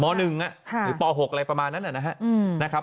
๑หรือป๖อะไรประมาณนั้นนะครับ